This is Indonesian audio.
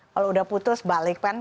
kalau udah putus balik kan